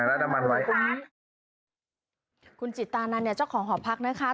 และน้ำมันไว้ค่ะคุณจิตานันเนี่ยเจ้าของหอพักนะคะ